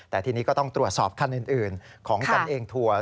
แต่ทีนี้ก็ต้องตรวจสอบคันอื่นของกันเองทัวร์